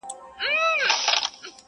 o څه پیالې پیالې را ګورې څه نشه نشه ږغېږې,